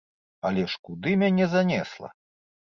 Але ж куды мяне занесла!